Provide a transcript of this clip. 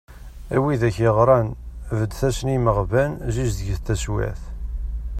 A widak yeɣran, beddet-asen i yimeɣban, zizdeget taswiɛt.